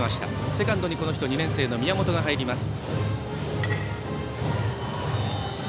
セカンドに２年生の宮本が入ります。